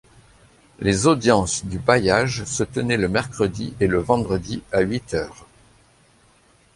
Les audiences du bailliage se tenaient le mercredi et le vendredi à huit heures.